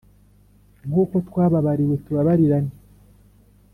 nkuko twababariwe, tubabarirane.